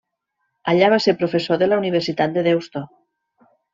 Allà va ser professor de la Universitat de Deusto.